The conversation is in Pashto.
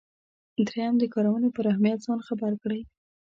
دریم د کارونې پر اهمیت ځان خبر کړئ.